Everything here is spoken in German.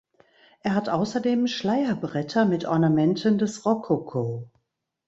Er hat außerdem Schleierbretter mit Ornamenten des Rokoko.